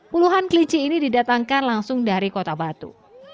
puluhan kelinci ini didatangkan langsung dari kota batu